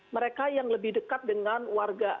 mereka yang lebih dekat dengan warga